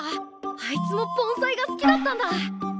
あいつも盆栽が好きだったんだ！